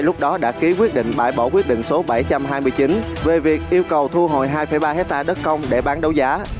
lúc đó đã ký quyết định bãi bỏ quyết định số bảy trăm hai mươi chín về việc yêu cầu thu hồi hai ba hectare đất công để bán đấu giá